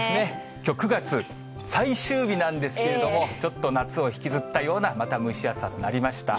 きょう、９月最終日なんですけれども、ちょっと夏を引きずったような、また蒸し暑さとなりました。